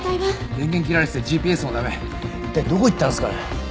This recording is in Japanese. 電源切られててＧＰＳも駄目一体どこ行ったんですかね？